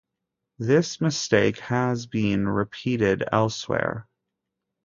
This mistake has been repeated elsewhere.